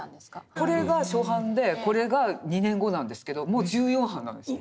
これが初版でこれが２年後なんですけどもう１４版なんですよ。